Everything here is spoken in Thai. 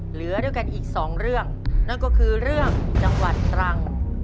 เหลือด้วยกันอีกสองเรื่องนั่นก็คือเรื่องจังหวัดตรัง